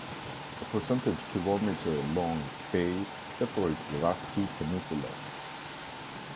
A % km long bay separates the last two peninsulas.